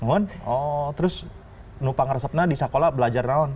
ngomong oh terus nupang resepnya di sekolah belajar nolong